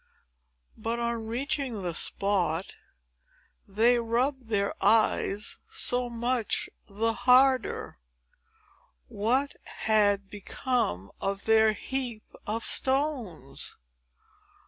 But, on reaching the spot, they rubbed their eyes so much the harder. What had become of their heap of stones!